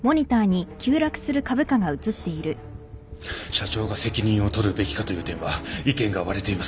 社長が責任を取るべきかという点は意見が割れています。